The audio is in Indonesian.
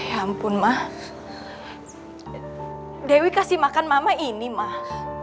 hai hai hai ampun mah dewi kasih makan mama ini mah